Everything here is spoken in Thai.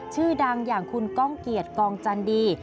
ชื่อดังอย่างคุณก้องเกียจกองจันดี